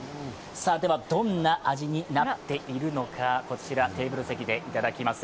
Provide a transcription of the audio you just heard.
ではどんな味になっているのかこちら、テーブル席でいただきます